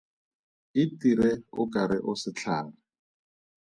Itire o ka re o setlhare.